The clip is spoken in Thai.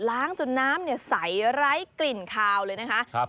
ล้างจนน้ำใสไร้กลิ่นคาวเลยนะครับ